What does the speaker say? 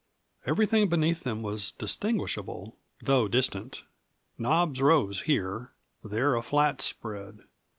Everything beneath them was distinguishable, though distant. Knobs rose here; there a flat spread.